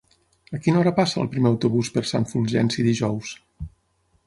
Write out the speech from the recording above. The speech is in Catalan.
A quina hora passa el primer autobús per Sant Fulgenci dijous?